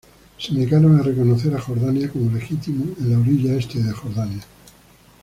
Se negaron a reconocer a Jordania como legítimo en la orilla este de Jordania.